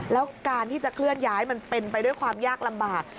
แล้วการที่จะเคลื่อนย้ายมันเป็นไปด้วยความยากลำบาก